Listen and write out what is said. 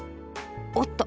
おっと！